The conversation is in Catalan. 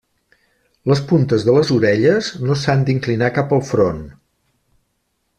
Les puntes de les orelles no s'han d'inclinar cap al front.